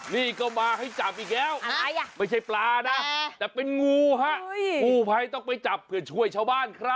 นี่ก็มาให้จับอีกแล้วไม่ใช่ปลานะแต่เป็นงูฮะกู้ภัยต้องไปจับเพื่อช่วยชาวบ้านครับ